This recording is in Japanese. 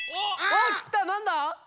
おっきたなんだ？